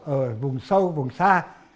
ở vùng sâu vùng xa